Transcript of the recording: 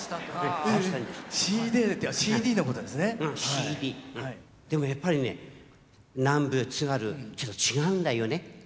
シーデーってでもやっぱりね南部津軽ちょっと違うんだよね。